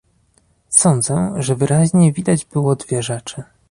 Sądzę, że wyraźnie widać było dwie rzeczy